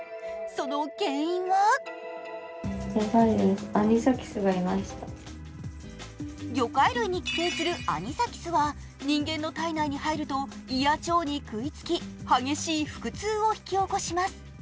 その原因は魚介類に寄生するアニサキスは人間の体内に入ると胃や腸に食いつき、激しい腹痛を引き起こします。